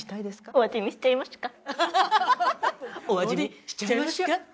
お味見しちゃいますか。